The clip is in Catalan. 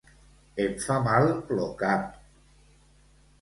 Em fa mal lo cap